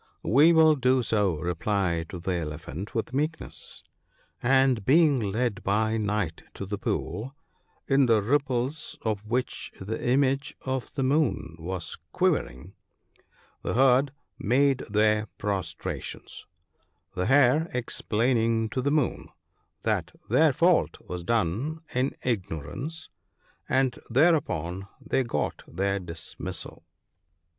' We will do so/ replied the Elephant with meekness ; and being led by night to the pool, in the ripples of which the image of the Moon was quivering, the herd made their prostrations ; the Hare explaining to the Moon that their fault was done in ignorance, and thereupon they got their dismissal."